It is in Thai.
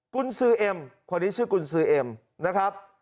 คุณซื้อเอ็มคนนี้ชื่อกุญสือเอ็มนะครับ